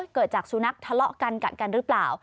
เกิดจากสุนัขทะเลาะกันกัดกันหรือเปล่า